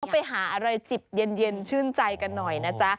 ไปหาอะไรจิบเย็นชื่นใจกันหน่อยนะจ๊ะ